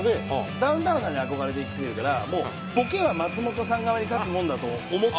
ダウンタウンさんに憧れてきてるからもうボケは松本さん側に立つもんだと思ってるという。